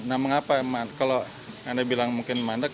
nah mengapa kalau anda bilang mungkin mandak